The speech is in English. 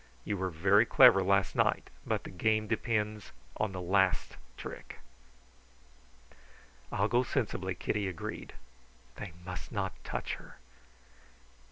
You were very clever last night; but the game depends upon the last trick." "I'll go sensibly," Kitty agreed. They must not touch her!